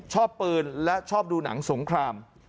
ชอบปืนและชอบดูหนังสงคราม